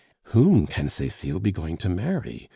"Whom can Cecile be going to marry?"